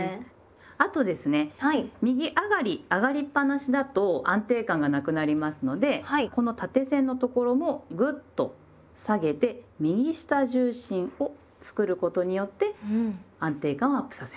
あとですね右上がり上がりっぱなしだと安定感がなくなりますのでこの縦線のところをぐっと下げて右下重心を作ることによって安定感をアップさせます。